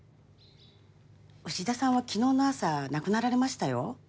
牛田さんは昨日の朝亡くなられましたよ。